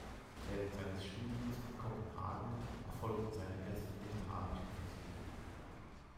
Während seines Studiums in Kopenhagen erfolgten seine ersten literarischen Versuche.